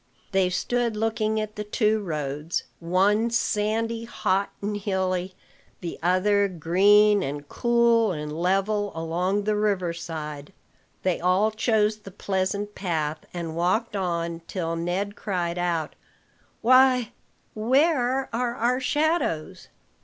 They stood looking at the two roads, one sandy, hot, and hilly; the other green and cool and level, along the river side. They all chose the pleasant path, and walked on till Ned cried out, "Why, where are our shadows?"